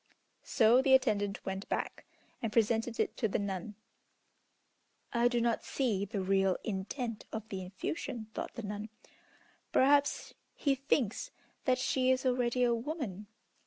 So the attendant went back, and presented it to the nun. "I do not see the real intent of the effusion," thought the nun. "Perhaps he thinks that she is already a woman.